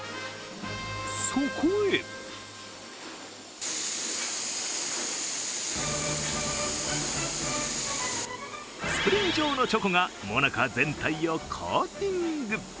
そこへスプレー状のチョコがモナカ全体をコーティング。